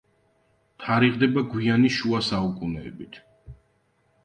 თარიღდება გვიანი შუა საუკუნეებით.